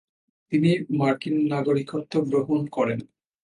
তিনি মার্কিন নাগরিকত্ব গ্রহণ করেন।